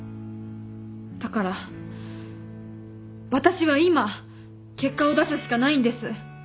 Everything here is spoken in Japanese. だから私は今結果を出すしかないんです。